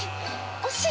惜しい！